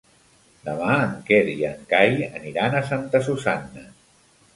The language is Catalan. Demà en Quer i en Cai aniran a Santa Susanna.